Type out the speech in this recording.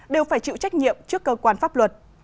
đều phải chịu trách nhiệm trước cơ quan pháp luật